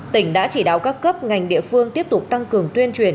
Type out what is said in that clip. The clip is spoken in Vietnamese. tỉnh đã chỉ đạo các cấp ngành địa phương tiếp tục tăng cường tuyên truyền